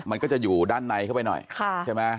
มันก็จะอยู่ด้านในเข้าไปหน่อยใช่ไหม